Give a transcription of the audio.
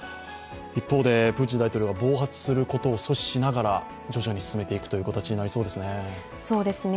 一方でプーチン大統領は暴発することを阻止しながら徐々に進めていく形になりそうですね。